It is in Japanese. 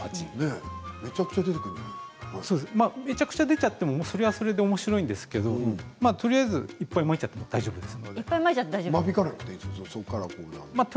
めちゃくちゃ出ちゃってもそれはそれでおもしろいんですけどとりあえずいっぱいまいちゃっても大丈夫です。